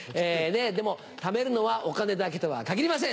でもためるのはお金だけとは限りません。